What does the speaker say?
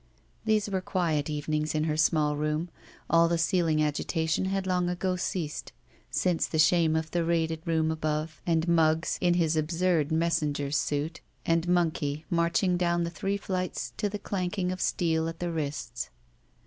These were quiet evenings in her small room. All the ceiling agitation had long ago ceased since the shame of the raided room above, and Muggs, in his abstu'd messenger's suit, and Monkey marching down the three flights to the clanking of steel at the wrists.